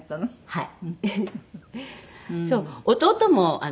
はい。